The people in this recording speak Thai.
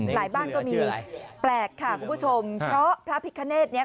บ้านก็มีแปลกค่ะคุณผู้ชมเพราะพระพิคเนธเนี่ย